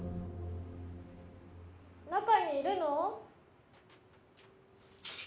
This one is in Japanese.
・中にいるの？